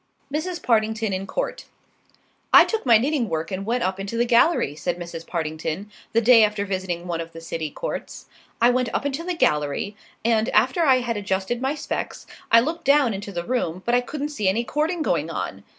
MRS. PARTINGTON IN COURT "I took my knitting work and went up into the gallery," said Mrs. Partington, the day after visiting one of the city courts; "I went up into the gallery, and after I had adjusted my specs, I looked down into the room, but I couldn't see any courting going on.